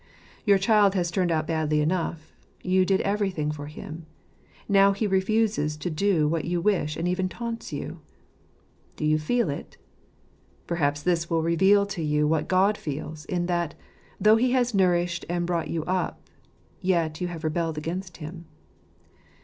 Your child has turned out badly enough : you did everything for him; now he refuses to do what you wish, and even taunts you. Do you feel it ? Perhaps this will reveal to you what God feels, in that, though He has nourished and brought you up, yet you have rebelled against Him.